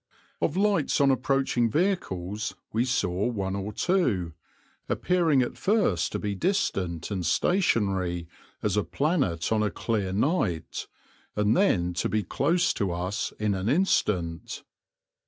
Of lights on approaching vehicles we saw one or two, appearing at first to be distant and stationary as a planet on a clear night, and then to be close to us in an instant.